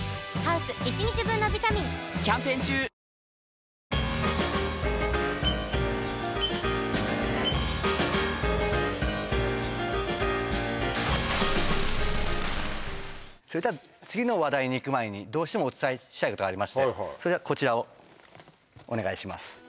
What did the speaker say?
うまダブルなんでそれでは次の話題にいく前にどうしてもお伝えしたいことがありましてこちらをお願いします